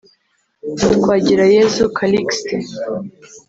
Twagirayezu Callixte